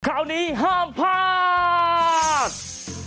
คราวนี้ห้ามภาษณ์